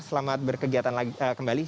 selamat berkegiatan kembali